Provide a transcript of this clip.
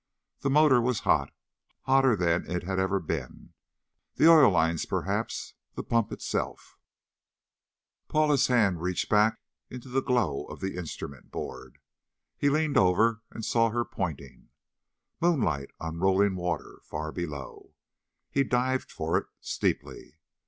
The motor was hot. Hotter than it had ever been. The oil lines, perhaps the pump itself.... Paula's hand reached back into the glow of the instrument board. He leaned over and saw her pointing. Moonlight on rolling water, far below. He dived for it, steeply.